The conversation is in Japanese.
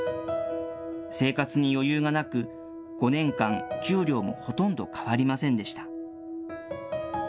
生活に余裕がなく、５年間、給料もほとんど変わりませんでした。